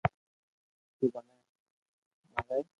تو مني ماري